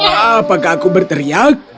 apakah aku berteriak